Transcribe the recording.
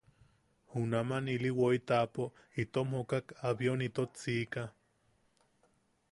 Junaman ili woi taʼapo itom jokak abion itot sika.